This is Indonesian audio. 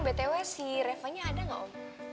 btw si refahnya ada gak om